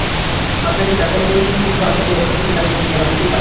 আপনাকে যাচাই করার জন্য কিছু আপাত অস্বাভাবিক আচরণ করা হতেই পারে।